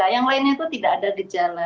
yang lainnya itu tidak ada gejala